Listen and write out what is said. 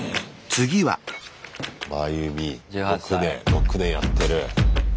６年やってる。